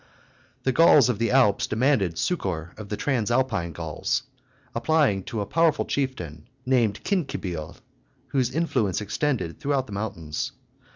The Gauls of the Alps demanded succor of the Transalpine Gauls, applying to a powerful chieftain, named Cincibil, whose influence extended throughout the mountains.